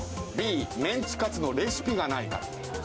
Ｂ、メンチカツのレシピがないから。